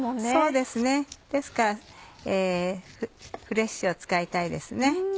ですからフレッシュを使いたいですね。